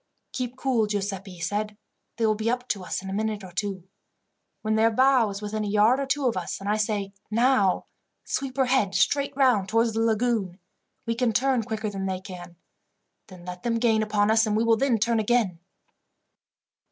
"Keep cool, Giuseppi," he said. "They will be up to us in a minute or two. When their bow is within a yard or two of us, and I say, 'Now!' sweep her head straight round towards the lagoon. We can turn quicker than they can. Then let them gain upon us, and we will then turn again."